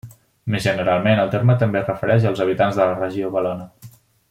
Més generalment, el terme també es refereix als habitants de la regió valona.